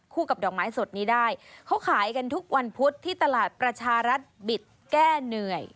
กับดอกไม้สดนี้ได้เขาขายกันทุกวันพุธที่ตลาดประชารัฐบิดแก้เหนื่อย